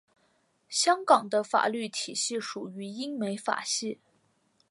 香港的法律体系属于英美法系。